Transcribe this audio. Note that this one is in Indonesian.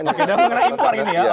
oke dan mengenai impor ini ya